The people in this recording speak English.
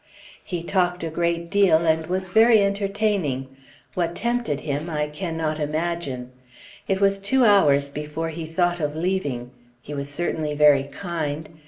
He talked a great deal, and was very entertaining; what tempted him, I cannot imagine. It was two hours before he thought of leaving. He was certainly very kind.